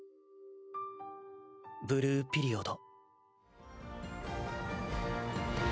「ブルーピリオド」。